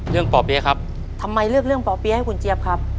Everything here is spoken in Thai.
ป่อเปี๊ยะครับทำไมเลือกเรื่องป่อเปี๊ยให้คุณเจี๊ยบครับ